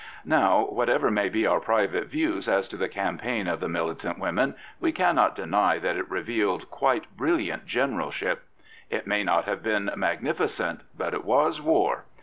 Now, whatever may be our private views as to the campaign of the rnhitant women, we cannot deny that it revealed quite brilliant generalship. It may not have been magnificent, but it was war.